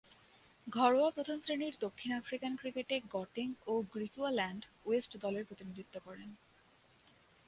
ঘরোয়া প্রথম-শ্রেণীর দক্ষিণ আফ্রিকান ক্রিকেটে গটেং ও গ্রিকুয়াল্যান্ড ওয়েস্ট দলের প্রতিনিধিত্ব করেন।